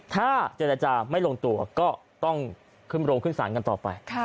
ถ้าเจรจาไม่ลงตัวก็ต้องโรงเคลื่องสารกันต่อแต่